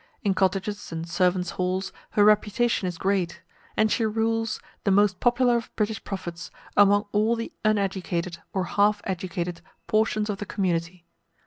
In cottages and servants' halls her reputation is great; and she rules, the most popular of British prophets, among all the uneducated, or half educated, portions of the community.